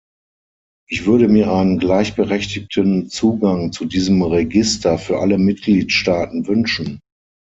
Ich würde mir einen gleichberechtigten Zugang zu diesem Register für alle Mitgliedstaaten wünschen.